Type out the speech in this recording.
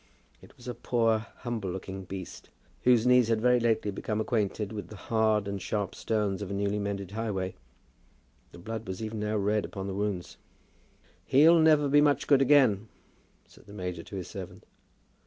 It was a poor humble looking beast, whose knees had very lately become acquainted with the hard and sharp stones of a newly mended highway. The blood was even now red upon the wounds. "He'll never be much good again," said the major to his servant.